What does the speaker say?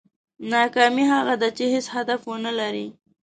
ناکامي هغه ده چې هېڅ هدف ونه لرې.